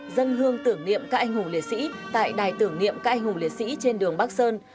dân hương tưởng niệm các anh hùng liệt sĩ tại đài tưởng niệm các anh hùng liệt sĩ trên đường bắc sơn